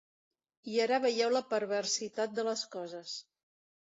I ara veieu la perversitat de les coses.